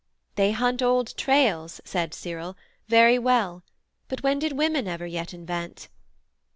'They hunt old trails' said Cyril 'very well; But when did woman ever yet invent?'